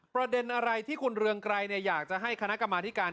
ประเด็นอะไรที่คุณเรืองไกรอยากจะให้คณะกรรมาธิการ